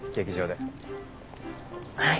はい。